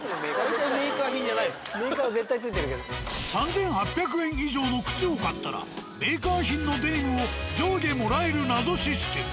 ３，８００円以上の靴を買ったらメーカー品のデニムを上下もらえる謎システム。